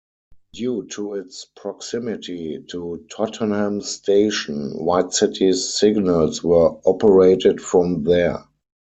Due to its proximity to Tottenham station, White City's signals were operated from there.